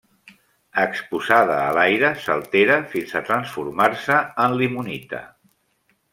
Exposada a l'aire s'altera fins a transformar-se en limonita.